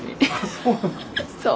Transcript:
そう。